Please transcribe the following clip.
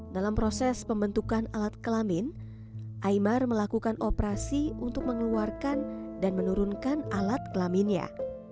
dalam proses pembentukan alat kelamin aymar melakukan operasi untuk mengeluarkan dan menurunkan alat kelaminnya